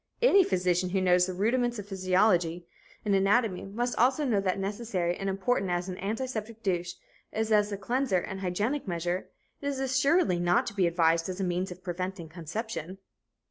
Any physician who knows the first rudiments of physiology and anatomy must also know that necessary and important as an antiseptic douche is as a cleanser and hygienic measure, it is assuredly not to be advised as a means of preventing conception.